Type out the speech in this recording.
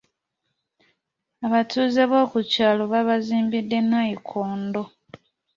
Abatuuze b'oku kyalo baabazimbidde nnayikondo.